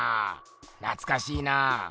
なつかしいなぁ。